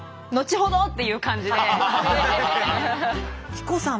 希子さん